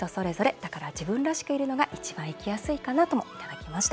だから自分らしくいるのが一番生きやすいかな」ともいただきました。